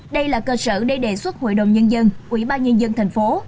đây là cơ sở để đề xuất hội đồng nhân dân quỹ ba nhân dân thành phố